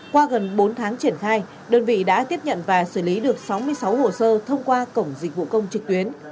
qua gần bốn tháng triển khai đơn vị đã tiếp nhận và xử lý được sáu mươi sáu hồ sơ thông qua cổng dịch vụ công trực tuyến